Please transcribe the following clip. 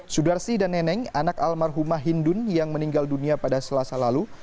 sudarsi dan neneng anak almarhumah hindun yang meninggal dunia pada selasa lalu